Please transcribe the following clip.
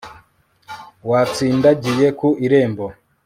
watsindagiye ku irembo